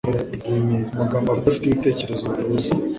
ku magambo adafite ibitekerezo bihuza